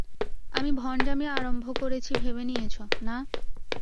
আমি ভণ্ডামি আরম্ভ করেছি ভেবে নিয়েছ, না?